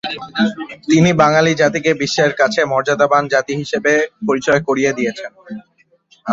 তিনি বাঙালি জাতিকে বিশ্বের কাছে মর্যাদাবান জাতি হিসেবে পরিচয় করিয়ে দিয়েছেন।